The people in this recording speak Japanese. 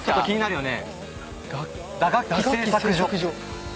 打楽器製作所。